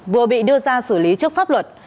vừa bị đưa ra xử lý trước pháp luật